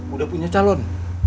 udah punya calon